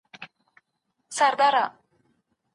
د ږغ په اورېدو سره ډوډۍ او پاڼه ولي راوړل سوې وه؟